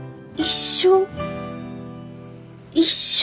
一生？